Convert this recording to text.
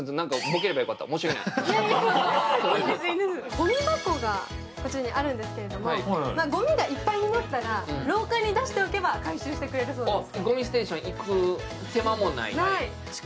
ごみ箱がこちらにあるんですけどごみがいっぱいになったら廊下に出しておけば回収してくれるそうです。